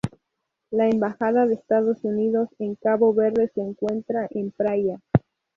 La Embajada de Estados Unidos en Cabo Verde se encuentra en Praia.